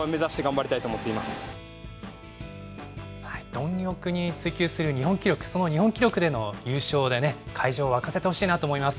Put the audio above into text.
どん欲に追求する日本記録、その日本記録での優勝でね、会場をわかせてほしいなと思います。